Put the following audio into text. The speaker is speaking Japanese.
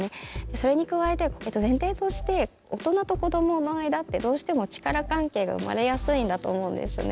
それに加えて前提として大人と子供の間ってどうしても力関係が生まれやすいんだと思うんですね。